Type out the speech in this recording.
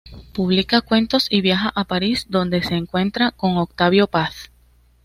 Publica cuentos y viaja a París, donde se encuentra con Octavio Paz.